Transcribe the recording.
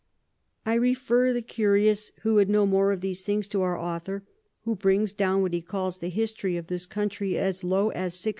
I refer the Curious who would know more of those things to our Author, who brings down what he calls the History of this Country as low as 1645.